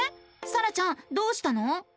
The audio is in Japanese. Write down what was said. さらちゃんどうしたの？